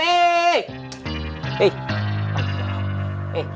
hei sahur sahur